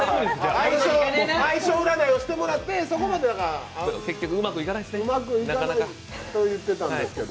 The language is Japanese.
相性占いをしてもらって、うまくいかないと言っていたんですけど。